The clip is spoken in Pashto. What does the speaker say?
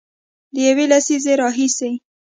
د یوې لسیزې راهیسې